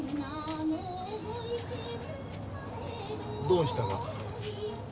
どうしたが？